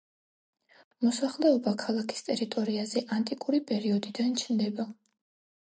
მოსახლეობა ქალაქის ტერიტორიაზე ანტიკური პერიოდიდან ჩნდება.